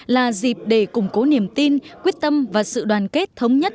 là dịp để củng cố niềm tin quyết tâm và sự đoàn kết thống nhất